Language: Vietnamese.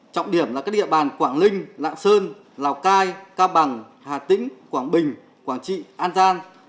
trọng điểm là các địa bàn quảng linh lạng sơn lào cai cao bằng hà tĩnh quảng bình quảng trị an giang